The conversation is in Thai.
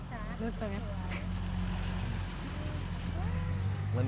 หนูสวยมั้ย